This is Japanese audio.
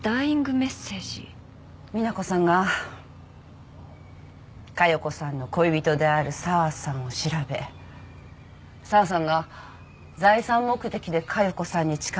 美奈子さんが加代子さんの恋人である沢さんを調べ沢さんが財産目的で加代子さんに近づいたことを突き止めた。